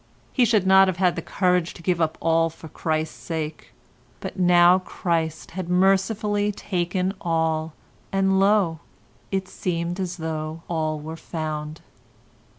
He should not have had the courage to give up all for Christ's sake, but now Christ had mercifully taken all, and lo! it seemed as though all were found.